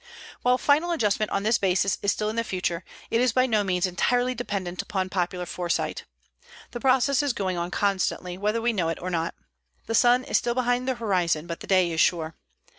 While final adjustment on this basis is still in the future, it is by no means entirely dependent upon popular foresight. The process is going on constantly, whether we know it or not. The sun is still behind the horizon, but the day is sure.